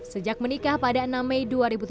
sejak menikah pada enam mei dua ribu tujuh belas